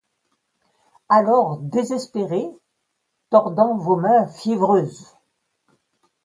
Alors, désespéré, tordant vos mains fiévreuses